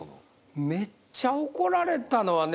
めっちゃ怒られたのはね。